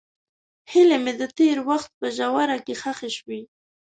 هیلې مې د تېر وخت په ژوره کې ښخې شوې.